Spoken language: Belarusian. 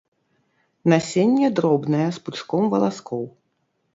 Насенне дробнае з пучком валаскоў.